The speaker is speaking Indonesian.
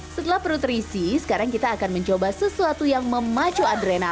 setelah perut terisi sekarang kita akan mencoba sesuatu yang memacu adrenal